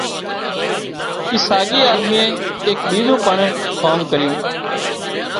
اِ ساڳِي آۮميئي ايڪ ٻِيزُون پڻ ڪام ڪريون